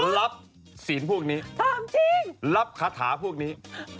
รับศีลพวกนี้รับคาถาพวกนี้